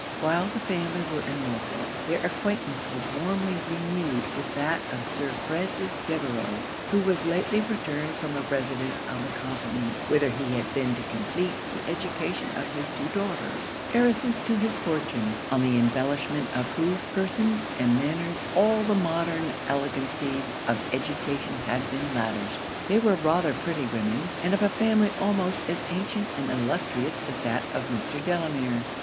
While the family were in Norfolk, their acquaintance was warmly renewed with that of Sir Francis Devereux, who was lately returned from a residence on the Continent, whither he had been to compleat the education of his two daughters, heiresses to his fortune, on the embellishment of whose persons and manners all the modern elegancies of education had been lavished. They were rather pretty women; and of a family almost as ancient and illustrious as that of Mr. Delamere.